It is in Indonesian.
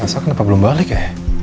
asal kenapa belum balik ya